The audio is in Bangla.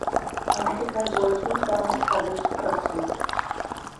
আমাকে স্যার বলছেন কেন তা বুঝতে পারছি না।